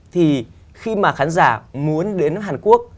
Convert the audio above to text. thì khi mà khán giả muốn đến hàn quốc